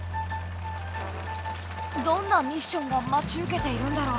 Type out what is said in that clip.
どんなミッションが待ち受けているんだろう？